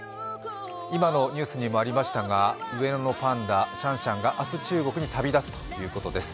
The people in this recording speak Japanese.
今のニュースにもありましたが上野のパンダシャンシャンが明日中国に旅立つということです。